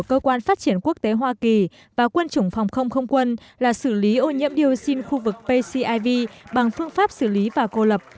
cơ quan phát triển quốc tế hoa kỳ và quân chủng phòng không không quân là xử lý ô nhiễm dioxin khu vực pciv bằng phương pháp xử lý và cô lập